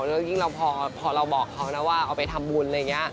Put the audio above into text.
แล้วยิ่งเราพอเราบอกเขานะว่าเอาไปทำบุญอะไรอย่างนี้